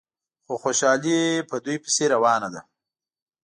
خو خوشحالي په دوی پسې روانه ده.